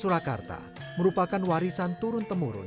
surakarta merupakan warisan turun temurun